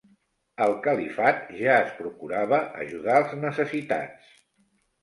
Al Califat ja es procurava ajudar els necessitats.